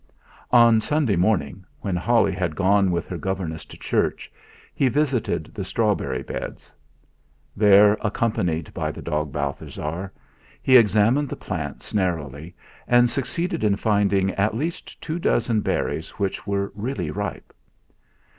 On Sunday morning, when Holly had gone with her governess to church, he visited the strawberry beds. There, accompanied by the dog Balthasar, he examined the plants narrowly and succeeded in finding at least two dozen berries which were really ripe.